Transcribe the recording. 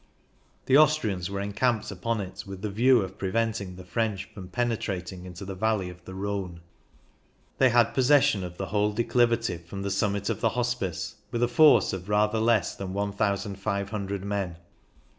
The Austrians were encamped upon it with the view of preventing the French from pene trating into the valley of the Rhone. They had possession of the whole declivity from the summit of the Hospice, with a force of rather less than 1,500 men.